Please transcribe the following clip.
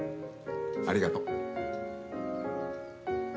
ありがとう。